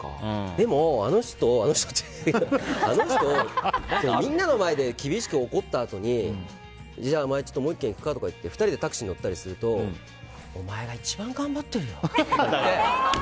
でもあの人あの人ってみんなの前で厳しく怒ったあとにじゃあ、お前もう１軒行くかとかって２人でタクシー乗ったりするとお前が一番頑張ってるよ！